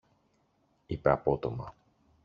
είπε απότομα.